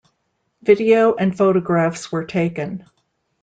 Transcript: Video and photographs were taken.